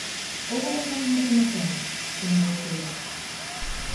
¿Houbo contaminación na zona, señora Uceira?